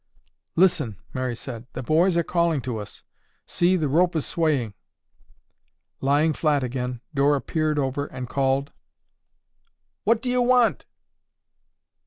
"Listen," Mary said. "The boys are calling to us. See, the rope is swaying." Lying flat again, Dora peered over and called, "What do you want?"